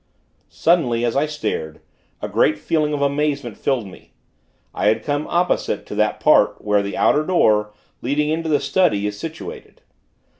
Suddenly, as I stared, a great feeling of amazement filled me. I had come opposite to that part, where the outer door, leading into the study, is situated.